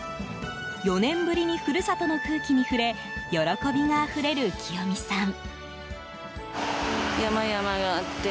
４年ぶりに故郷の空気に触れ喜びがあふれるきよみさん。